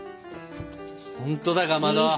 ほんとだかまど。